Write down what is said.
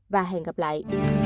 và hẹn gặp lại